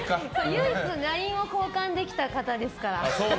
唯一ＬＩＮＥを交換できた方ですから。